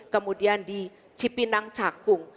kemudian di cipinang cakung